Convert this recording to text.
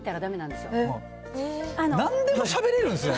なんでもしゃべれるんですね。